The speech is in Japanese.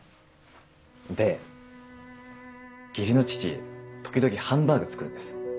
で義理の父時々ハンバーグ作るんです。